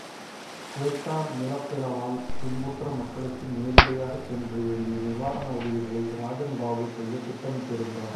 குவெட்டா நிலப்பிளவால் துன்புற்ற மக்களுக்கு நேரிடையாகச் சென்று வேண்டிய நிவாரண உதவிகளை ராஜன் பாபு செய்யத் திட்டமிட்டிருந்தார்.